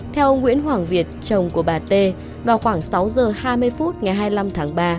theo ông nguyễn hoàng việt chồng của bà t vào khoảng sáu giờ hai mươi phút ngày hai mươi năm tháng ba